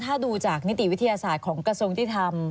ถ้าดูจากนิติวิทยาศาสตร์ของกระทรงศาสน์ที่ทำ